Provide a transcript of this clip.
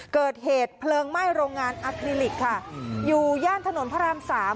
เกิดเหตุเพลิงไหม้โรงงานอัคลิลิกค่ะอยู่ย่านถนนพระรามสาม